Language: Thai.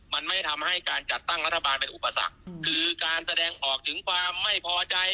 มันไม่ทำให้การจัดตั้งรัฐบาลเป็นอุปสรรคคือการแสดงออกถึงความไม่พอใจ